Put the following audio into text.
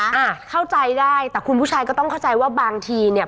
อ่าเข้าใจได้แต่คุณผู้ชายก็ต้องเข้าใจว่าบางทีเนี่ย